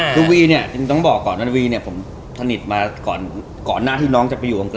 คือวีเนี่ยจริงต้องบอกก่อนว่าวีเนี่ยผมสนิทมาก่อนหน้าที่น้องจะไปอยู่อังกฤ